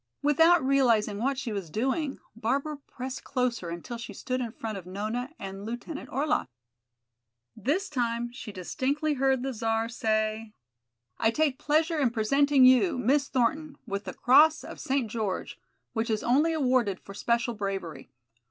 Without realizing what she was doing, Barbara pressed closer until she stood in front of Nona and Lieutenant Orlaff. This time she distinctly heard the Czar say: "I take pleasure in presenting you, Miss Thornton, with the Cross of St. George, which is only awarded for special bravery.